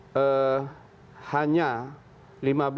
saya ingin menggambarkan